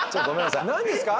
何ですか？